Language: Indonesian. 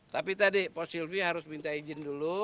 tapi tadi pos silvi harus minta izin dulu